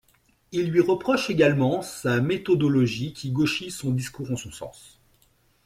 Il lui reproche également sa méthodologie qui gauchit son discours en son sens.